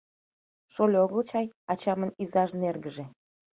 — Шольо огыл чай, ачамын изажын эргыже.